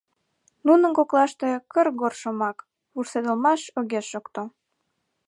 Нунын коклаште кыр-гор шомак, вурседалмаш огеш шокто.